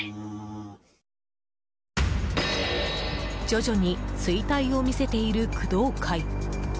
徐々に衰退を見せている工藤会。